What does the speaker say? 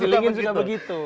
di link in juga begitu